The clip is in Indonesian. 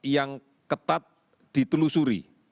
yang ketat ditelusuri